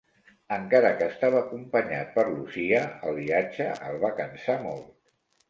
Encara que estava acompanyat per Lucia, el viatge el va cansar molt.